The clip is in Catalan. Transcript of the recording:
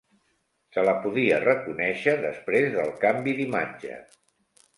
Se la podia reconèixer després del canvi d'imatge.